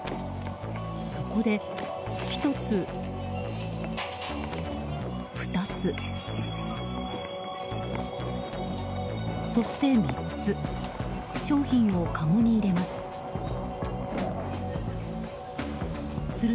そこで１つ、２つ、そして３つ商品をかごに入れます。